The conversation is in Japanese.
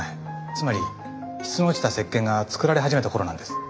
つまり質の落ちた石鹸が作られ始めた頃なんです。